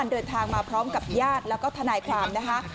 เดินทางมาพร้อมกับญาติและธนายความ